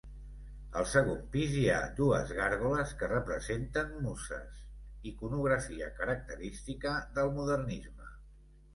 Al segon pis hi ha dues gàrgoles que representen muses, iconografia característica del Modernisme.